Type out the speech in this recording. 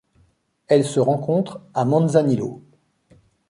Elle se rencontre à Manzanillo.